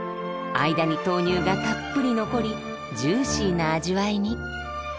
間に豆乳がたっぷり残りジューシーな味わいに。